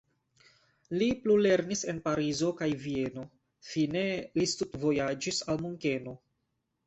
Li plulernis en Parizo kaj Vieno, fine li studvojaĝis al Munkeno.